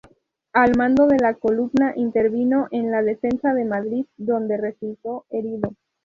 Al mando de la columna intervino en la Defensa de Madrid, donde resultó herido.